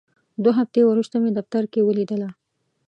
دوه هفتې وروسته مې دفتر کې ولیدله.